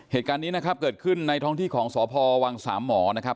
เหตุการณ์นี้นะครับเกิดขึ้นในท้องที่ของสพวังสามหมอนะครับ